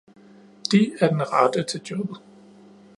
De er den rette til jobbet.